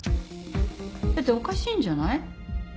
だっておかしいんじゃない？